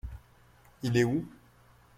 Il est où ?